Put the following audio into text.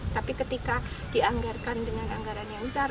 tapi ketika dianggarkan dengan anggaran yang besar